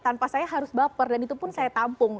tanpa saya harus baper dan itu pun saya tampung